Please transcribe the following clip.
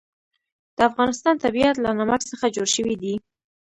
د افغانستان طبیعت له نمک څخه جوړ شوی دی.